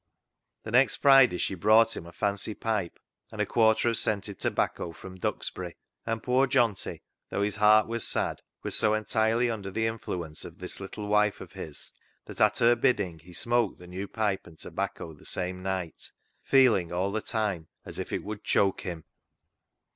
The next Friday she brought him a fancy pipe and a quarter of scented tobacco from Duxbury, and poor Johnty, though his heart was sad, was so entirely under the influence of this little wife of his that at her bidding he smoked the new pipe and tobacco the same night, feeling all the time as if it would choke him.